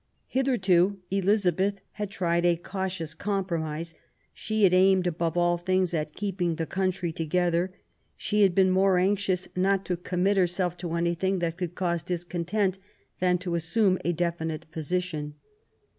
Hitherto Elizabeth had tried a cautious compromise ; she had aimed above all things at keeping the country together ; she had been more anxious not to commit herself to any thing that could cause discontent than to assume a definite position.